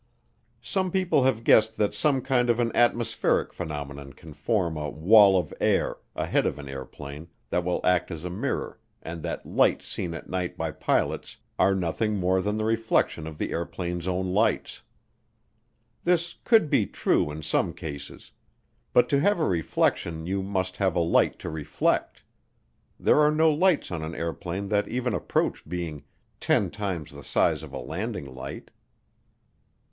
Some people have guessed that some kind of an atmospheric phenomenon can form a "wall of air" ahead of an airplane that will act as a mirror and that lights seen at night by pilots are nothing more than the reflection of the airplane's own lights. This could be true in some cases, but to have a reflection you must have a light to reflect. There are no lights on an airplane that even approach being "ten times the size of a landing light."